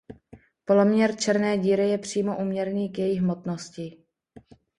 Poloměr černé díry je přímo úměrný k její hmotnosti.